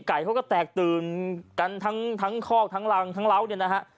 ไก่เขาก็แตกตื่นกันทั้งคอกทั้งรังทั้งเล้าเนี่ยนะฮะ